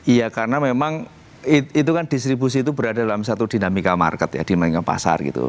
iya karena memang itu kan distribusi itu berada dalam satu dinamika market ya dinamika pasar gitu